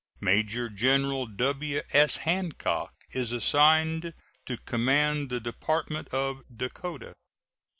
Major General W.S. Hancock is assigned to command the Department of Dakota.